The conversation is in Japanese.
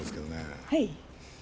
はい。